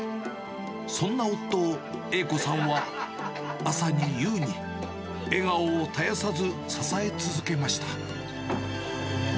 そんな夫を栄子さんは、朝に夕に、笑顔を絶やさず支え続けました。